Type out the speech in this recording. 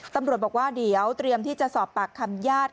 ตำรวจบอกว่าเดี๋ยวเตรียมที่จะสอบปากคำญาติ